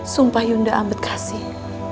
sumpah ibu nambet kasih